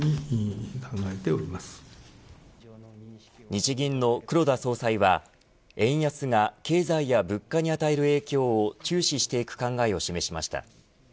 日銀の黒田総裁は円安が経済や物価に与える影響を注視していく考えを示しました。